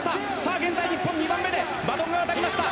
現在、日本２番目でバトンが渡りました。